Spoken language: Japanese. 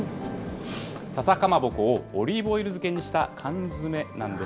ささかまぼこをオリーブオイル漬けにした缶詰なんです。